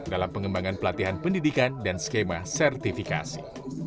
dalam pengembangan pelatihan pendidikan dan skema sertifikasi